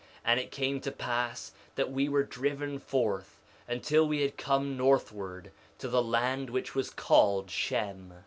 And it came to pass that we were driven forth until we had come northward to the land which was called Shem.